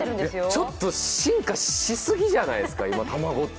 ちょっと進化しすぎじゃないですか、たまごっち。